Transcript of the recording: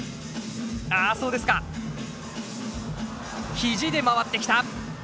肘で回ってきた。